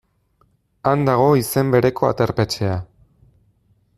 Han dago izen bereko aterpetxea.